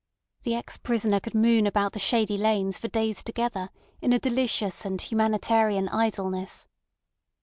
The ex prisoner could moon about the shady lanes for days together in a delicious and humanitarian idleness.